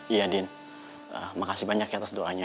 iya din makasih banyak ya atas doanya